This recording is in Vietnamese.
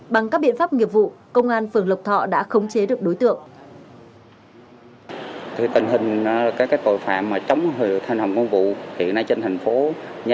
bằng các biện pháp nghiệp vụ công an phường lộc thọ đã khống chế được đối tượng